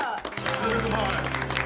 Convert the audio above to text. すごい！